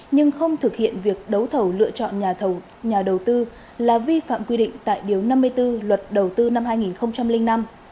nhưng không thực hiện việc đấu thầu lựa chọn nhà đầu tư là vi phạm quy định tại điều năm mươi bốn luật đầu tư năm hai nghìn năm